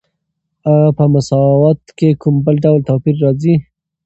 آیا په مساوات کې کوم ډول توپیر راځي؟